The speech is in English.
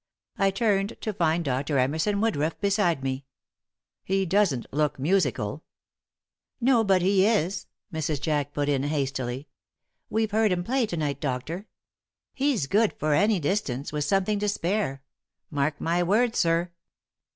I turned to find Dr. Emerson Woodruff beside me. "He doesn't look musical." "No, but he is," Mrs. Jack put in, hastily. "We've heard him play to night, doctor. He's good for any distance with something to spare. Mark my words, sir."